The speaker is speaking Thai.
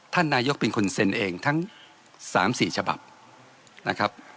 ท่านนายกเป็นคนเซ็นเองทั้ง๓๔ฉบับนะครับ